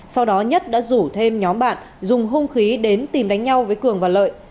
sau đó nhất đã rủ thêm nhóm bạn dùng hung khí đến tìm đánh nhau với cường và lợi